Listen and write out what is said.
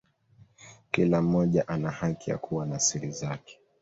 Kila mmoja ana haki ya kuwa na siri zake.